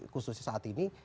khususnya saat ini